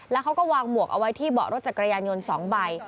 แล้วเขาก็วางหมวกเอาไว้ที่เบาะรถจักรยานยนต์๒ใบ